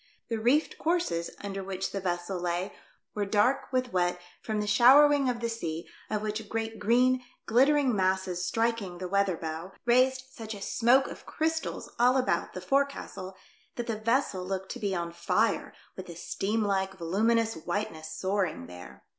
The reefed courses under which the vessel lay were dark v/ith wet from the showering of the sea, of which great green, glittering masses striking the weather bow, raised such a smoke of crystals all about the forecastle that the vessel looked to be on fire with the steam like, voluminous white ness soaring there.